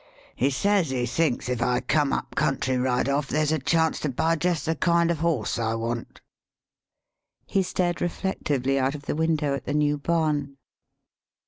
] He says he thinks if I come up country right off there's a chance to buy jest the kind of a horse I want." [He stared reflectively out of the window at the new barn.